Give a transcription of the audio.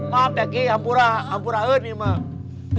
maaf ya kaya hampura hampuraan ini mah